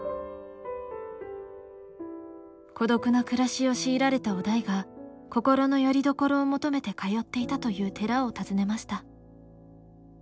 孤独な暮らしを強いられた於大が心のよりどころを求めて通っていたという寺を訪ねました。